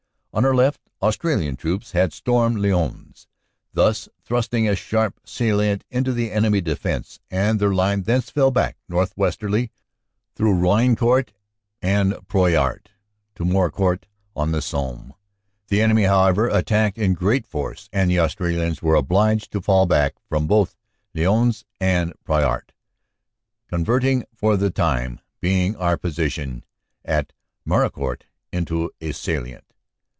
On our left Australian troops had stormed Lihons, thus thrusting a sharp salient into the enemy defense, and their line thence fell back northwesterly through Rainecourt and Proyart to Morcourt on the Somme. The enemy, however, attacked in great force, and the Australians were obliged to fall back from both Lihons and Proyart, converting for the time being our position at Meharicourt into a salient.